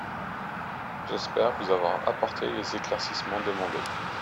J’espère vous avoir apporté les éclaircissements demandés.